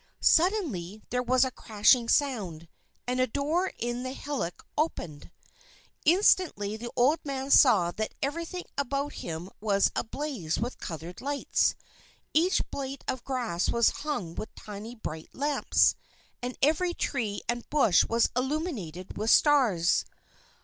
Suddenly there was a crashing sound, and a door in the hillock opened. Instantly the old man saw that everything about him was ablaze with coloured lights. Each blade of grass was hung with tiny bright lamps, and every tree and bush was illuminated with stars.